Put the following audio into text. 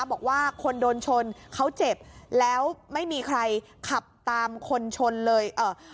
บอกว่าคนโดนชนเขาเจ็บแล้วไม่มีใครขับตามคนชนเลยเอ่อ